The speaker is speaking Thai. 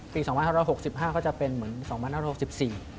ปี๒๕๖๕ก็จะเป็นเหมือนปี๒๖๖๔